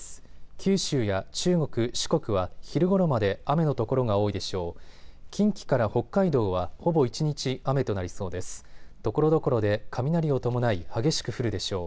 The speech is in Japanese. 九州や中国、四国は昼ごろまで雨の所が多いでしょう。